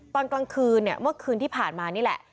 ตอนกลางคืนเนี่ยเมื่อคืนที่ผ่านมานี่แหละ